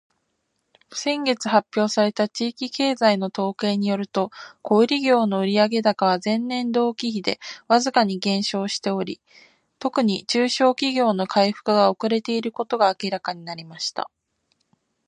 「先月発表された地域経済の統計によると、小売業の売上高は前年同期比でわずかに減少しており、特に中小企業の回復が遅れていることが明らかになりました。」